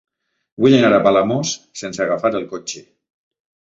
Vull anar a Palamós sense agafar el cotxe.